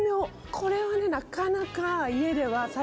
これはねなかなか。